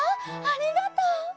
ありがとう。